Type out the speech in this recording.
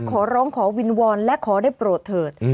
ขอร้องขอวิงวอนและขอได้โปรดเถิด